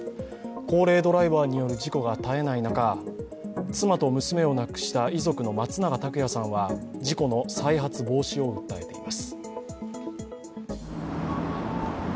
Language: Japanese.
高齢ドライバーによる事故が絶えない中妻と娘を亡くした遺族の松永拓也さんは事故の再発防止を訴えています。